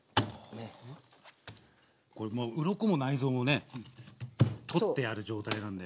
これもううろこも内臓もね取ってある状態なんで。